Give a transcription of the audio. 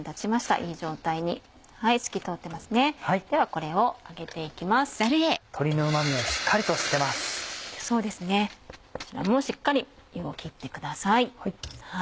こちらもしっかり湯を切ってください。